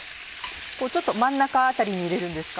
ちょっと真ん中辺りに入れるんですか？